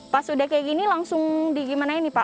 pas udah kayak gini langsung di gimana ini pak